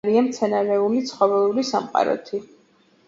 კუნძული მდიდარია მცენარეული და ცხოველური სამყაროთი.